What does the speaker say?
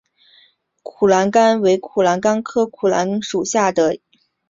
苦槛蓝为苦槛蓝科苦槛蓝属下的一个种。